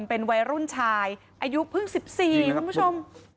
เป็นวัยรุ่นชายอายุเพิ่ง๑๔